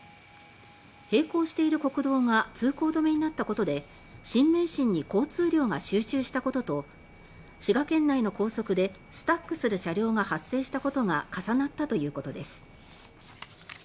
並行している国道が通行止めになったことで新名神に交通量が集中したことと滋賀県内の高速でスタックする車両が発生したことが重なったということです。